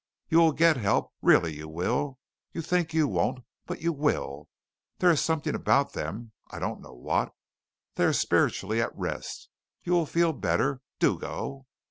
"You will get help really you will. You think you won't, but you will. There is something about them I don't know what. They are spiritually at rest. You will feel better. Do go."